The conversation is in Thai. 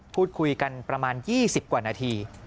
พูดคุยกันประมาณ๒๐กว่านาที